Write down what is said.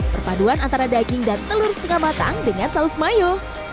perpaduan antara daging dan telur setengah matang dengan saus mayo